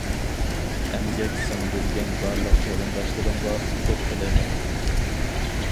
ئەمگەك سىڭدۈرگەن بارلىق قېرىنداشلىرىمغا ئۇتۇق تىلەيمەن.